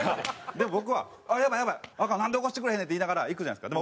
でも僕は「あっやばいやばい！アカン」「なんで起こしてくれへんねん」って言いながら行くじゃないですか。